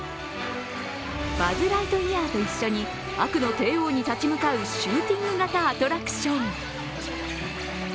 バズ・ライトイヤーと一緒に悪の帝王に立ち向かうシューティング型アトラクション。